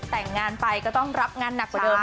แต่งงานไปก็ต้องรับงานหนักกว่าเดิม